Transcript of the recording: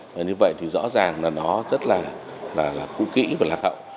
và như vậy thì rõ ràng là nó rất là cụ kỹ và lạc hậu